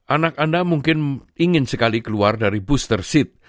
anak anda mungkin ingin sekali keluar dari booster seat